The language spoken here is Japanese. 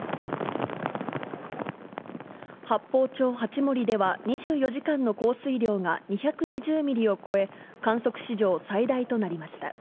八峰町八森では、２４時間の降水量が２２０ミリを超え、観測史上最大となりました。